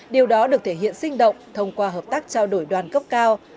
điều đó được thể hiện sinh động thông qua hợp tác trao đổi đoàn cấp cao